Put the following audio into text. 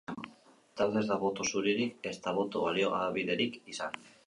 Bestalde, ez da boto zuririk ezta boto baliogaberik izan.